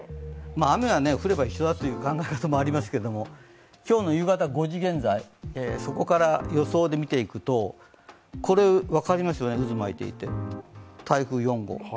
雨が降れば一緒だという考え方もありますけど今日の夕方５時現在、そこから予想で見ていくと、分かりますか、渦を巻いていて、台風４号。